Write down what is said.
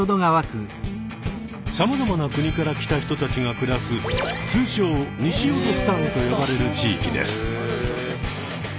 さまざまな国から来た人たちが暮らす通称ニシヨドスタンと呼ばれる地域です。